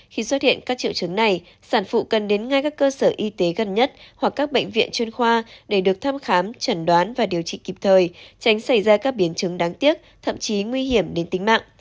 khi xuất hiện các triệu chứng này sản phụ cần đến ngay các cơ sở y tế gần nhất hoặc các bệnh viện chuyên khoa để được thăm khám chẩn đoán và điều trị kịp thời tránh xảy ra các biến chứng đáng tiếc thậm chí nguy hiểm đến tính mạng